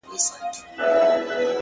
• د چا خبرو ته به غوږ نه نيسو،